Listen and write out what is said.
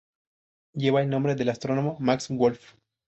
Lleva el nombre del astrónomo Max Wolf.